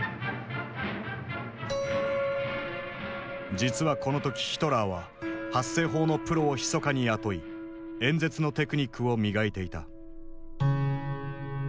実はこの時ヒトラーは発声法のプロをひそかに雇い演説のテクニックを磨いていた。